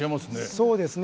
そうですね。